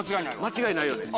間違いないよね。